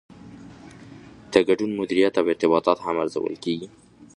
د ګډون مدیریت او ارتباطات هم ارزول کیږي.